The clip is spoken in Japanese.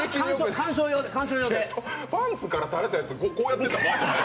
パンツからたれたやつ、こうやって。